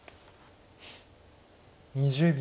２０秒。